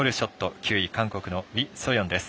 ９位、韓国のウィ・ソヨンです。